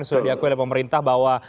sudah diakui oleh pemerintah bahwa